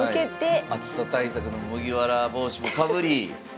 暑さ対策の麦わら帽子もかぶり。